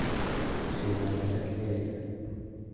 خێزانەکەت لێرەیە.